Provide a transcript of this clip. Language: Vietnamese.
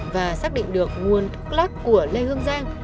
và xác định được nguồn thuốc lắc của lê hương giang